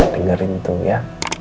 dengarkan itu ya